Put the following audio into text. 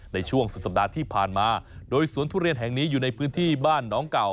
ในช่วงสุดสัปดาห์ที่ผ่านมาโดยสวนทุเรียนแห่งนี้อยู่ในพื้นที่บ้านน้องเก่า